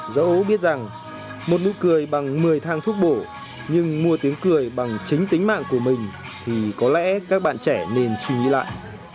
dẫu biết rằng một nụ cười bằng một mươi thang thuốc bổ nhưng mua tiếng cười bằng chính tính mạng của mình thì có lẽ các bạn trẻ nên suy nghĩ lại